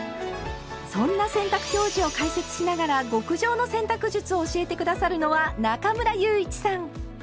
そんな洗濯表示を解説しながら極上の洗濯術を教えて下さるのは中村祐一さん。